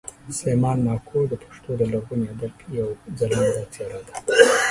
سلیمان ماکو د پښتو د لرغوني ادب یوه خلانده څېره ده